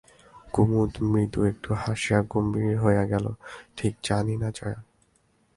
কুমুদ মৃদু একটু হাসিয়াই গম্ভীর হইয়া গেল, ঠিক জানি না জয়া।